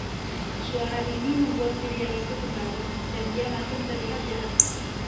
Suara ini membuat pria itu kembali, dan dia makin terlihat jahat.